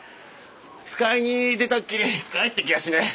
使いに出たっきり帰ってきやしねえ。